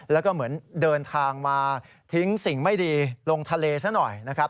แล้วก็เหมือนเดินทางมาทิ้งสิ่งไม่ดีลงทะเลซะหน่อยนะครับ